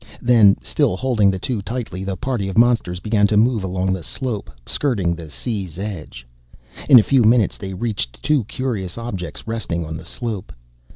Then, still holding the two tightly, the party of monsters began to move along the slope, skirting the sea's edge. In a few minutes they reached two curious objects resting on the slope.